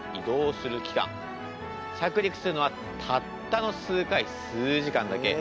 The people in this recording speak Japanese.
着陸するのはたったの数回数時間だけ。